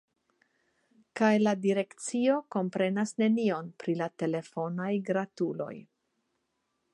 Kaj la direkcio komprenas nenion pri la telefonaj gratuloj.